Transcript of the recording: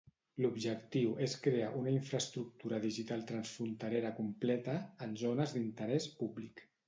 L'objectiu és crear una infraestructura digital transfronterera completa, en zones d'interès públic.